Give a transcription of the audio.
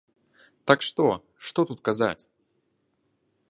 Так што, што тут казаць?